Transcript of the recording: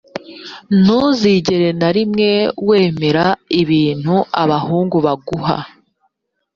ntuzigere na rimwe wemera ibintu abahungu baguha